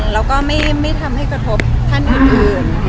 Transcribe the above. แล้วก็ไม่ทำให้กระทบท่านอื่น